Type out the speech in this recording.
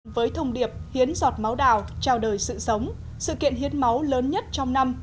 với thông điệp hiến giọt máu đào trao đời sự sống sự kiện hiến máu lớn nhất trong năm